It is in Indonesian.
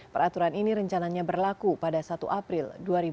peraturan ini rencananya berlaku pada satu april dua ribu dua puluh